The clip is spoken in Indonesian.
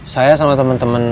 saya sama teman teman